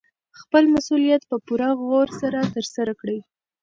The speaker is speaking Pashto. خپل مسوولیت په پوره غور سره ترسره کړئ.